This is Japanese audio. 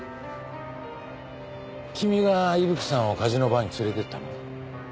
君が伊吹さんをカジノバーに連れていったの？